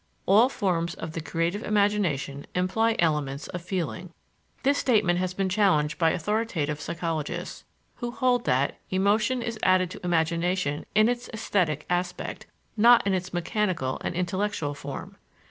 All forms of the creative imagination imply elements of feeling. This statement has been challenged by authoritative psychologists, who hold that "emotion is added to imagination in its esthetic aspect, not in its mechanical and intellectual form."